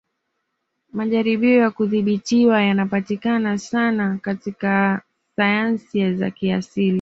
Majaribio ya kudhibitiwa yanayopatikana sanasana katika sayansi za kiasili